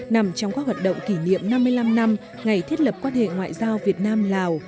nằm trong các hoạt động kỷ niệm năm mươi năm năm ngày thiết lập quan hệ ngoại giao việt nam lào